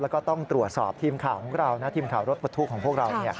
แล้วก็ต้องตรวจสอบทีมข่าวของเรานะทีมข่าวรถประทุกข์ของพวกเรา